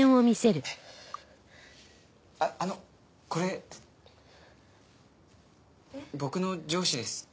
あっあのこれ僕の上司です。